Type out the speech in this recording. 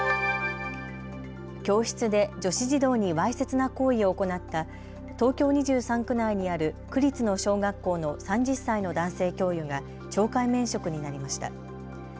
教室で女子児童にわいせつな行為を行った東京２３区内にある区立の小学校の３０歳の男性教諭が懲戒免職になりました。